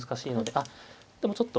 あっでもちょっと。